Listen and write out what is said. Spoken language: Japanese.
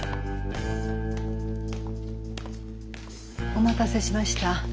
お待たせしました。